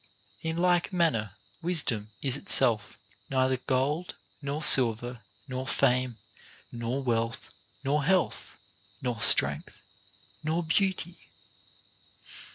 6. In like manner wisdom is itself neither gold nor silver nor fame nor wealth nor health nor strength nor beauty.